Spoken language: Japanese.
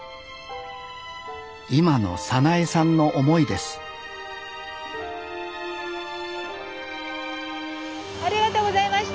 今の早苗さんの思いですありがとうございました。